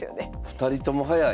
２人とも早い。